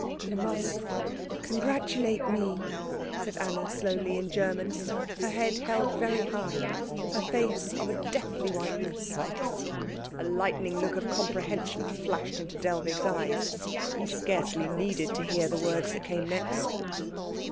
"You must congratulate me," said Anna slowly in German, her head held very high, her face of a deathly whiteness. A lightening look of comprehension flashed into Dellwig's eyes; he scarcely needed to hear the words that came next.